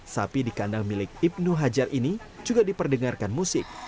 sapi di kandang milik ibnu hajar ini juga diperdengarkan musik